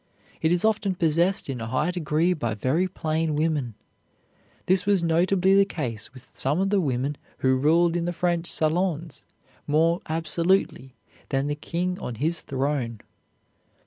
It is often possessed in a high degree by very plain women. This was notably the case with some of the women who ruled in the French salons more absolutely than the king on his throne.